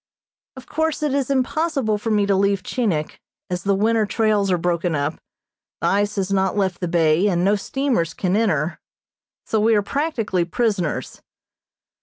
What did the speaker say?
Of course it is impossible for me to leave Chinik, as the winter trails are broken up, the ice has not left the bay, and no steamers can enter; so we are practically prisoners.